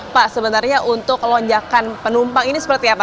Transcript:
pak sebenarnya untuk lonjakan penumpang ini seperti apa